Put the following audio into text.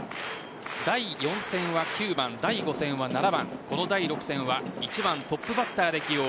第４戦は９番、第５戦は７番この第６戦は１番・トップバッターで起用。